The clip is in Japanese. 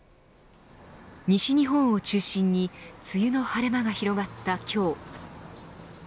西日本を中心に梅雨の晴れ間が広まった今日。